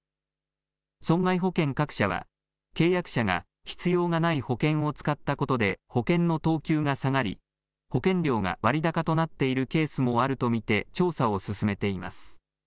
損害保険各社は契約者が必要がない保険を使ったことで保険の等級が下がり保険料が割高となっているケースもあると見て調査を進めています。